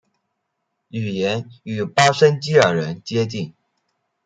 语言与巴什基尔人接近。